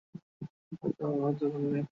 আমার নিরাপত্তা নিয়ে ভাবার দরকার নেই!